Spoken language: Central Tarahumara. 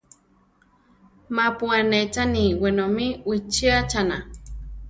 Mapu anéchani wenomí wichíachana.